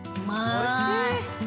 おいしい！